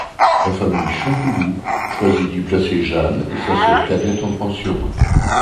La famille Champillou choisit d'y placer Jeanne et sa sœur cadette en pension.